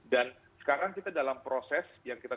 dan sekarang kita dalam proses yang kita